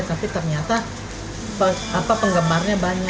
tapi ternyata penggemarnya banyak